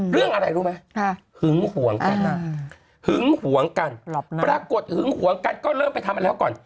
เรื่องอะไรรู้ไหมหึงห่วงกันหึงห่วงกัน